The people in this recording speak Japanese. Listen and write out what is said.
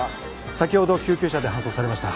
先ほど救急車で搬送されました。